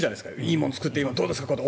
いいものを作ってどうですかと。